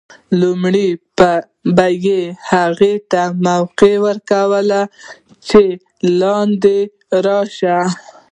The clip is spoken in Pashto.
لومړی به یې هغو ته موقع ور کول چې لاندې راشي.